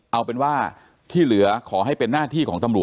เอาเป็นว่าที่เหลือขอให้เป็นหน้าที่ของตำรวจ